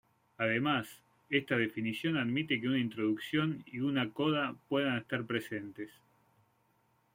Además, esta definición admite que una introducción y una coda pueden estar presentes.